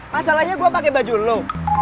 masalahnya gue pakai baju lo